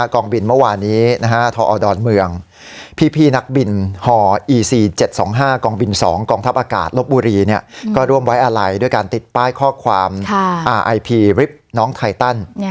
ลบบุรีเนี่ยก็ร่วมไว้อาลัยด้วยการติดป้ายข้อความอาร์ไอพีน้องไทตัน